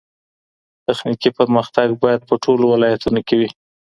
تخنیکي پرمختګ باید په ټولو ولایتونو کي وي.